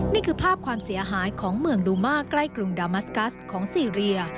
นี่คือภาพความเสียหายของเมืองดูมาใกล้กรุงดามัสกัสของซีเรีย